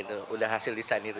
udah hasil desain itu